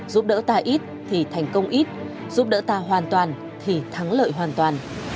giúp đỡ ta ít thì thành công ít giúp đỡ ta hoàn toàn thì thắng lợi hoàn toàn